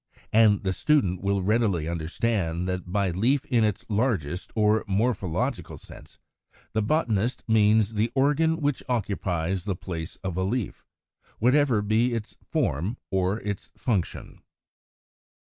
And the student will readily understand that by leaf in its largest or morphological sense, the botanist means the organ which occupies the place of a leaf, whatever be its form or its function.